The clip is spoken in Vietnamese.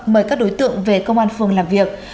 mời các đối tượng về công an phường làm việc